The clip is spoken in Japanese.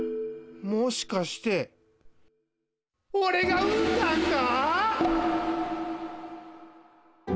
もしかしておれがうんだんか！？